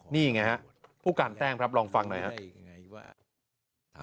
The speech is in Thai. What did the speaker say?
นี่ไงฮะผู้การแต้มครับลองฟังหน่อยครับ